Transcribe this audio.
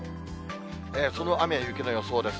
その雨や雪の予想です。